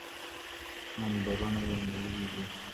• منبرونه یې نیولي جاهلانو -